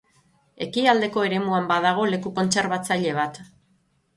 Ekialdeko eremuan badago leku kontserbatzaile bat.